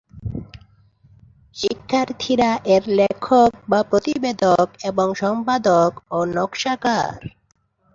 শিক্ষার্থীরা এর লেখক বা প্রতিবেদক এবং সম্পাদক ও নকশাকার।